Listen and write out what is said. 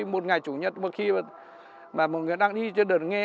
một ngày chủ nhật một khi mà một người đang đi trên đường nghe